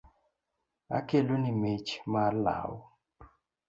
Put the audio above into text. Akeloni mich mar lau.